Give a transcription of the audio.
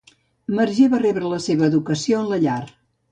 Marger va rebre la seva educació en la llar.